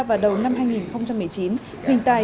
vào đầu năm hai nghìn một mươi chín hình tài